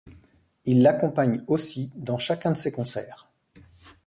Il l'accompagne aussi dans chacun de ses concerts.